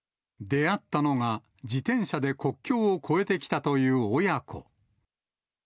出会ったのが、自転車で国境を越えてきたという親子。